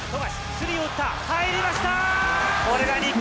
スリーを打った入りました！